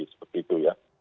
seperti itu ya